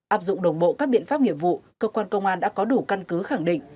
áp dụng đồng bộ các biện pháp nghiệp vụ cơ quan công an đã có đủ căn cứ khẳng định